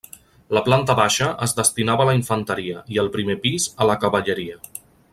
La planta baixa es destinava a la infanteria i el primer pis a la cavalleria.